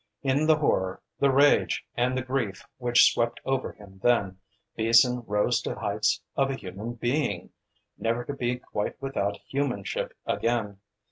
In the horror, the rage and the grief which swept over him then, Beason rose to the heights of a human being, never to be quite without humanship again.